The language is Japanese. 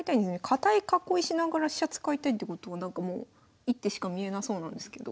堅い囲いしながら飛車使いたいってことは一手しか見えなそうなんですけど。